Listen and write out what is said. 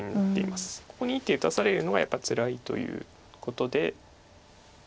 ここに一手打たされるのがやっぱりつらいということで。